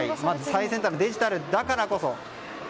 最先端のデジタルだからこそ。